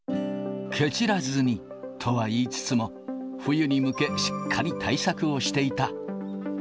けちらずにとは言いつつも、冬に向け、しっかり対策をしていた。